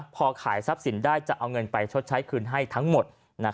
พอขายทรัพย์สินได้จะเอาเงินไปชดใช้คืนให้ทั้งหมด